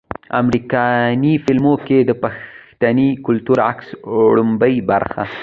امريکني فلمونو کښې د پښتني کلتور عکس وړومبۍ برخه